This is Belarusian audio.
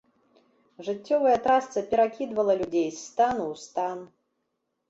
Жыццёвая трасца перакідвала людзей з стану ў стан.